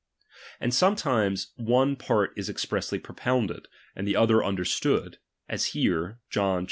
And sometimes one part is expressly propounded, and the other understood, as here (John iii.